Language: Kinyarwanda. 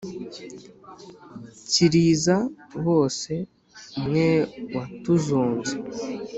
kiriza bose, umwe watuzonze